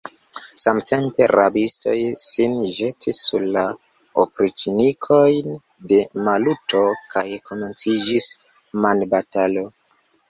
Samtempe rabistoj, sin ĵetis sur la opriĉnikojn de Maluto, kaj komenciĝis manbatalo!